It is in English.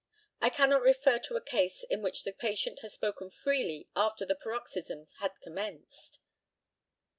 I cannot refer to a case in which the patient has spoken freely after the paroxysms had commenced.